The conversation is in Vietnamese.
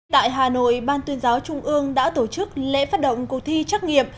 tại hà nội ban tuyên giáo trung ương đã tổ chức lễ phát động cuộc thi trắc nghiệm